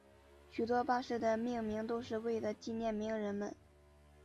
许多巴士的命名都是为了纪念名人们。